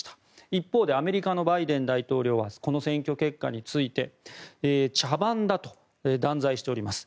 一方でアメリカのバイデン大統領はこの選挙結果について茶番だと断罪しております。